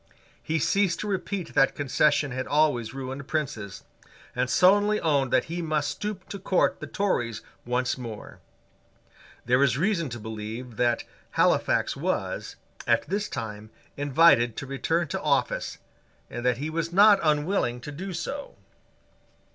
He ceased to repeat that concession had always ruined princes, and sullenly owned that he must stoop to court the Tories once more. There is reason to believe that Halifax was, at this time, invited to return to office, and that he was not unwilling to do so.